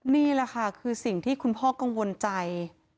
นี่แหละค่ะคือสิ่งที่คุณพ่อกังวลใจ